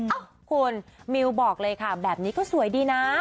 เอ้าคุณมิวบอกเลยค่ะแบบนี้ก็สวยดีนะ